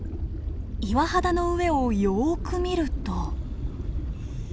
岩肌の上をよく見ると。